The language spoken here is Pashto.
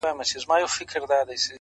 دا ستا ښكلا ته شعر ليكم!